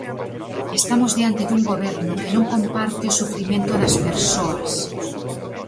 Estamos diante dun Goberno que non comparte o sufrimento das persoas.